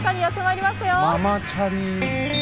ママチャリ。